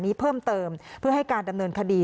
นี้เพิ่มเติมเพื่อให้การดำเนินคดี